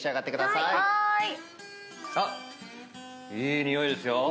いい匂いですよ。